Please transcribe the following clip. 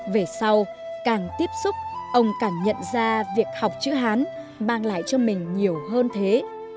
về sau càng tiếp xúc ông càng nhận ra việc học chữ hán mang lại cho mình nhiều hơn thế